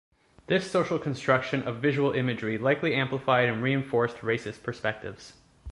This social construction of visual imagery likely amplified and reinforced racist perspectives.